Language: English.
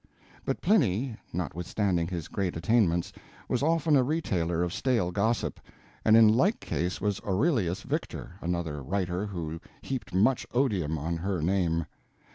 But Pliny, notwithstanding his great attainments, was often a retailer of stale gossip, and in like case was Aurelius Victor, another writer who heaped much odium on her name.